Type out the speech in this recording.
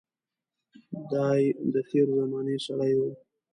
دای د تېرې زمانې سړی و.